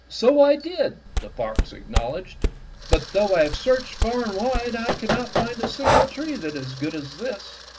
"So I did," the fox acknowledged, "but though I have searched far and wide I can not find a single tree that is as good as this.